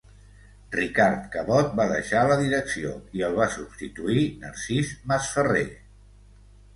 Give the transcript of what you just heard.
Ricard Cabot va deixar la direcció i el va substituir Narcís Masferrer.